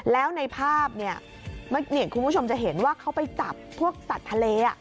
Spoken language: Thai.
แล้วในภาพเนี่ยคุณผู้ชมจะเห็นว่าเขาไปจับพวกสัตว์ทะเล